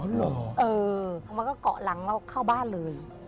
เหรอเออมันก็เกาะหลังเราเข้าบ้านเลย